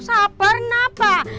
siapa pernah pak